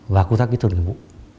và công tác kỹ thuật nghiệm vụ